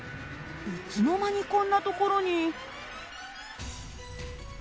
いつの間にこんな所に。